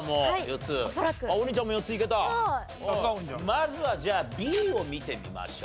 まずはじゃあＢを見てみましょう。